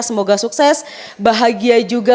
semoga sukses bahagia juga